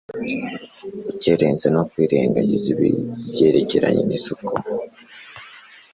gukerensa no kwirengagiza ibyerekeranye nisuku